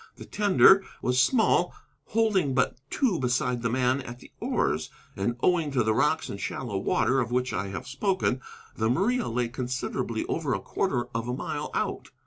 The tender was small, holding but two beside the man at the oars, and owing to the rocks and shallow water of which I have spoken, the Maria lay considerably over a quarter of a mile out.